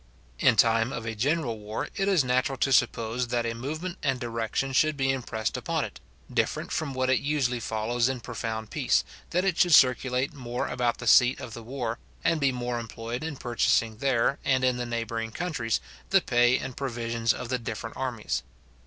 In time of a general war, it is natural to suppose that a movement and direction should be impressed upon it, different from what it usually follows in profound peace, that it should circulate more about the seat of the war, and be more employed in purchasing there, and in the neighbouring countries, the pay and provisions of the different armies.